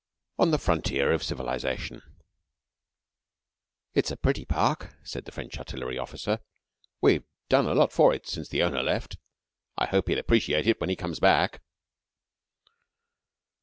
I ON THE FRONTIER OF CIVILIZATION "It's a pretty park," said the French artillery officer. "We've done a lot for it since the owner left. I hope he'll appreciate it when he comes back."